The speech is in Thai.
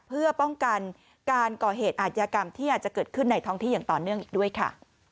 เพื่อป้องกันการก่อเหตุอาจยากรรมที่อาจจะเกิดขึ้นในท้องที่อย่างต่อเนื่องอีกด้วยค่ะ